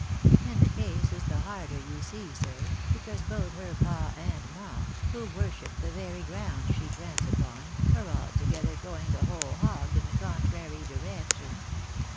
And the case is the harder, you see, sir, because both her pa and ma, who worship the very ground she treads upon, are altogether going the whole hog in the contrary direction.